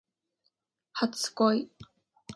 初恋